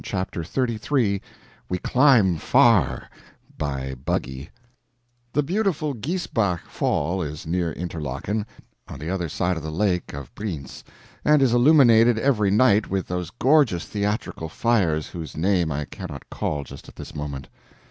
CHAPTER XXXIII [We Climb Far by Buggy] The beautiful Giesbach Fall is near Interlaken, on the other side of the lake of Brienz, and is illuminated every night with those gorgeous theatrical fires whose name I cannot call just at this moment.